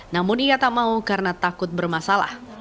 namun ia tak mau karena takut bermasalah